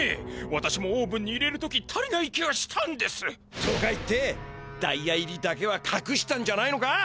わたしもオーブンに入れる時足りない気がしたんです。とか言ってダイヤ入りだけはかくしたんじゃないのか？